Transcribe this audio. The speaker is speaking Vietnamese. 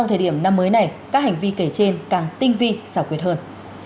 năm mới này các hành vi kể trên càng tinh vi sảo quyệt hơn